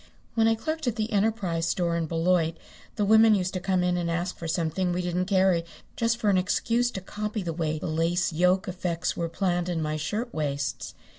When I clerked at the Enterprise Store in Beloit the women used to come in and ask for something we didn't carry just for an excuse to copy the way the lace yoke effects were planned in my shirtwaists.